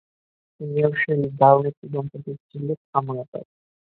তুমি আর শ্যালি দারুণ একটা দম্পতি ছিলে, থামো এবার!